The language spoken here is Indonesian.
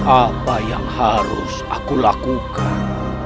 apa yang harus aku lakukan